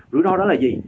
rủi ro đó là gì